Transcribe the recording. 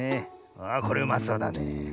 ああこれうまそうだねえ。